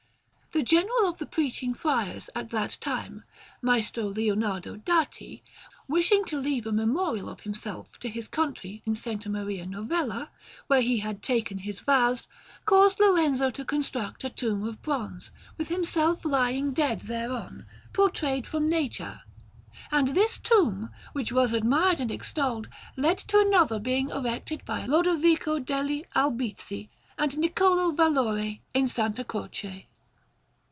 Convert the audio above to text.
The General of the Preaching Friars at that time, Maestro Lionardo Dati, wishing to leave a memorial of himself to his country in S. Maria Novella, where he had taken his vows, caused Lorenzo to construct a tomb of bronze, with himself lying dead thereon, portrayed from nature; and this tomb, which was admired and extolled, led to another being erected by Lodovico degli Albizzi and Niccolò Valori in S. Croce.